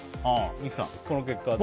三木さん、この結果は？